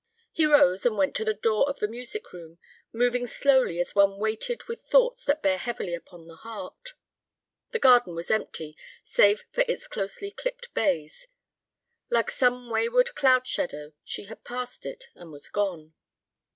He rose and went to the door of the music room, moving slowly as one weighted with thoughts that bear heavily upon the heart. The garden was empty, save for its closely clipped bays. Like some wayward cloud shadow she had passed it and was gone.